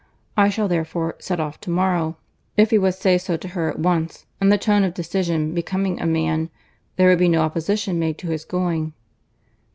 I shall, therefore, set off to morrow.'—If he would say so to her at once, in the tone of decision becoming a man, there would be no opposition made to his going."